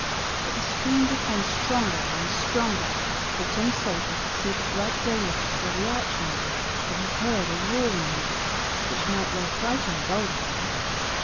But the stream became stronger and stronger. The Tin Soldier could see the bright daylight where the arch ended; but he heard a roaring noise, which might well frighten a bolder man.